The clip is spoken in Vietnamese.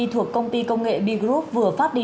do chủng mới của virus corona gây ra